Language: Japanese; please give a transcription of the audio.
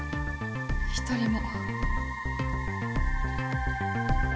一人も